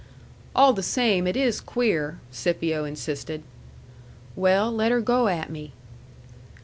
"All the same it is queer," Scipio insisted "Well, let her go at me."